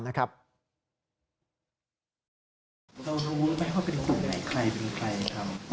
เรารู้ไหมว่าเป็นกลุ่มใดใคร